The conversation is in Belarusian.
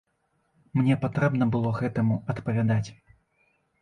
Мне патрэбна было гэтаму адпавядаць.